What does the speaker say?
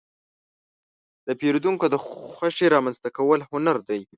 د پیرودونکو د خوښې رامنځته کول هنر دی.